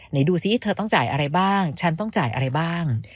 ดูสิเธอต้องจ่ายอะไรบ้างฉันต้องจ่ายอะไรบ้าง